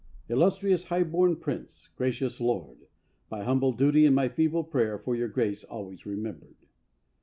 Illustrious, High born Prince, gracious Lord! My humble duty and my feeble prayer for your Grace always remembered!